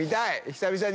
久々に。